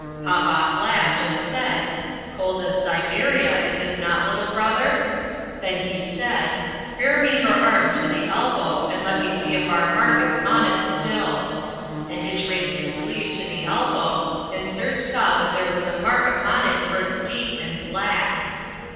Popoff laughed and said, "Cold as Siberia, is it not, little brother?" Then he said, "Bare me your arm to the elbow, and let me see if our mark is on it still." And Itch raised his sleeve to the elbow and Serge saw that there was a mark upon it burnt deep and black.